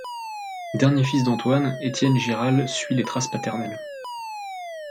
Dernier fils d'Antoine, Étienne Giral suit les traces paternelles.